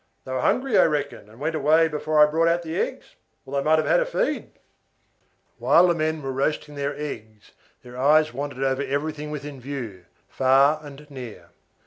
They were hungry, I reckon, and went away before I brought out the eggs, or they might have had a feed." While the men were roasting their eggs, their eyes wandered over everything within view, far and near.